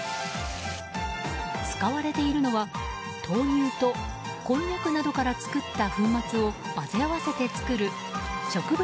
使われているのは、豆乳とこんにゃくなどから作った粉末を混ぜ合わせて作る植物